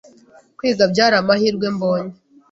Kwiga byari amahirwe mbonye